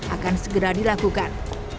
akan segera dilakukan